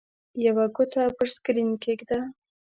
یوه ګوته پر سکرین کېږده.